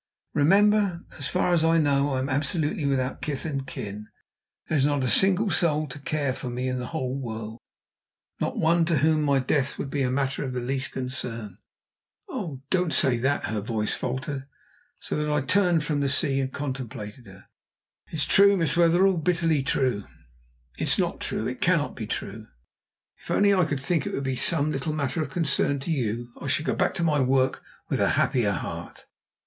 Remember, as far as I know I am absolutely without kith and kin. There is not a single soul to care for me in the whole world not one to whom my death would be a matter of the least concern." "Oh, don't don't say that!" Her voice faltered so that I turned from the sea and contemplated her. "It is true, Miss Wetherell, bitterly true." "It is not true. It cannot be true!" "If only I could think it would be some little matter of concern to you I should go back to my work with a happier heart."